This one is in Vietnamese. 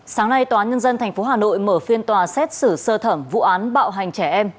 sáng nay tòa nhân dân tp hà nội mở phiên tòa xét xử sơ thẩm vụ án bạo hành trẻ em